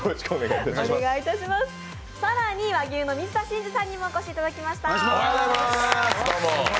更に和牛の水田信二さんにもお越しいただきました。